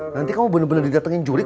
nanti kamu bener bener didatengin jurik